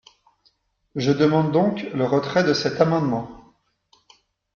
Je demande donc le retrait de cet amendement.